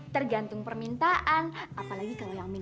tergantung permintaan apalagi kalau yang mintanya ganteng ganteng